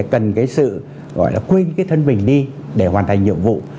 cần cái sự gọi là quên cái thân mình đi để hoàn thành nhiệm vụ